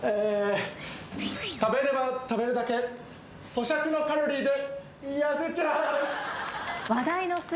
食べれば食べるだけそしゃくのカロリーで痩せちゃう。